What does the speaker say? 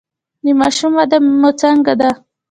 د ماشوم وده مو څنګه ده؟